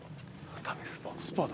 スパだ。